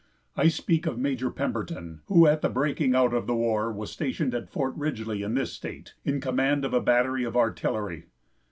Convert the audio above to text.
I speak of Major Pemberton, who at the breaking out of the war was stationed at Fort Ridgely in this state, in command of a battery of artillery.